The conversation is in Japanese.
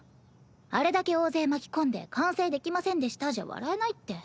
あれだけ大勢巻き込んで完成できませんでしたじゃ笑えないって。